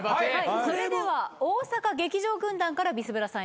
それでは大阪劇場軍団からビスブラさんへのクレームです。